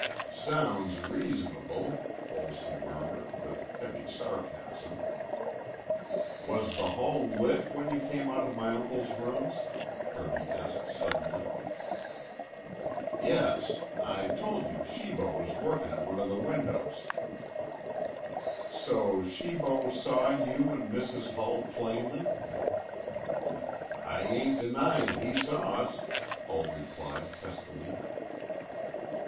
"Sounds reasonable," Olson murmured with heavy sarcasm. "Was the hall lit when you came out of my uncle's rooms?" Kirby asked suddenly. "Yes. I told you Shibo was workin' at one of the windows." "So Shibo saw you and Mrs. Hull plainly?" "I ain't denyin' he saw us," Hull replied testily.